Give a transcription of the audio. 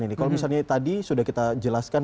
ini kalau misalnya tadi sudah kita jelaskan